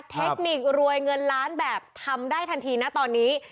เทคนิครวยเงินล้านแบบทำได้ทันทีนะตอนนี้